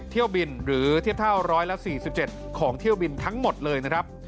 เที่ยวบินหรือเทียบเท่า๑๔๗ของเที่ยวบินทั้งหมดเลยนะครับ